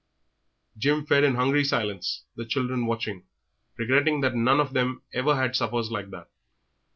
Jim fed in hungry silence, the children watching, regretting that none of them ever had suppers like that.